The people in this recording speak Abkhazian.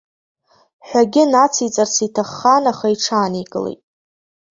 Ҳәагьы нациҵарц иҭаххан, аха иҽааникылеит.